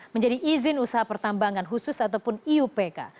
menjadi izin usaha pertambangan khusus ataupun iupk